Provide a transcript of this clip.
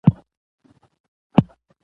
توپ باید د بېټ سره سم وموښلي.